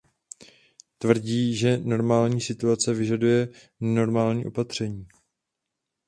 Tvrdí, že nenormální situace vyžaduje nenormální opatření.